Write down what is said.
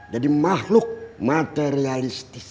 jadi makhluk materialistis